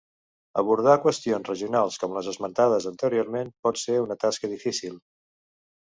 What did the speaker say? Abordar qüestions regionals com les esmentades anteriorment pot ser una tasca difícil.